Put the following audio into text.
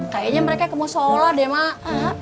kayaknya mereka kemusola deh mak